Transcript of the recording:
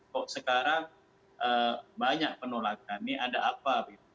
kok sekarang banyak penolakan ini ada apa